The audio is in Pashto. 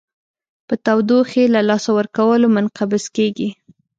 په تودوخې له لاسه ورکولو منقبض کیږي.